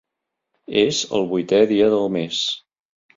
És el vuitè dia del mes.